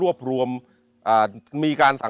ขอบุญกุศล